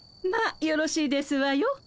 まあよろしいですわよ。